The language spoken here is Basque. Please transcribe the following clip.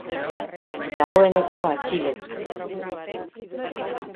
Dagoeneko atxilotu egin dute.